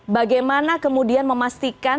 bagaimana kemudian memastikan